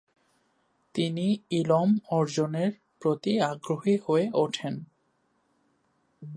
তিনি ইলম অর্জনের প্রতি আগ্রহী হয়ে উঠেন।